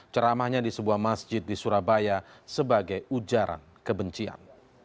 ceramahnya di sebuah masjid di surabaya sebagai ujaran kebencian